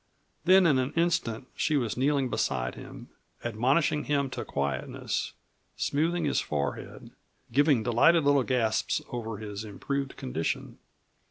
Then in an instant she was kneeling beside him, admonishing him to quietness, smoothing his forehead, giving delighted little gasps over his improved condition.